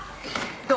どう？